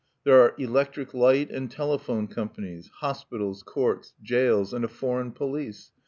There are electric light and telephone companies; hospitals, courts, jails, and a foreign police.